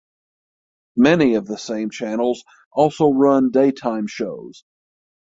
Many of the same channels also run daytime shows.